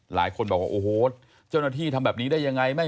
หลายคนบอกว่าโอ้โหเจ้าหน้าที่ทำแบบนี้ได้ยังไง